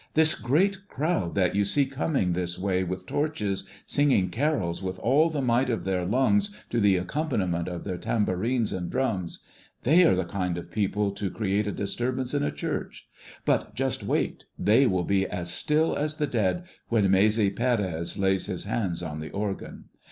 This great crowd that you see coming this way with torches, singing carols with all the might of their lungs to the accompaniment of their tambourines and drums, they are the kind of people to create a disturbance in a church; but just wait, they will be as still as the dead when Maese Pérez lays his hands on the organ.